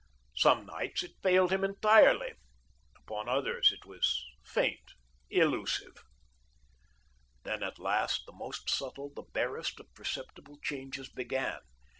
Some nights it failed him entirely; upon others it was faint, illusive. Then, at last, the most subtle, the barest of perceptible changes began.